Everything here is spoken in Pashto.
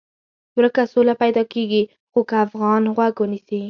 ورکه سوله پیدا کېږي خو که افغانان غوږ ونیسي.